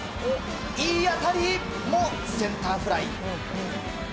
いい当たりもセンターフライ。